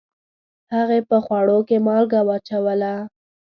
هغې په خوړو کې مالګه واچوله